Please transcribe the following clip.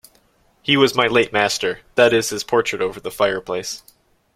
He was my late master: that is his portrait over the fireplace.